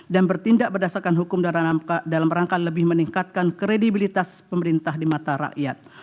dan bertindak berdasarkan hukum dalam rangka lebih meningkatkan kredibilitas pemerintah di mata rakyat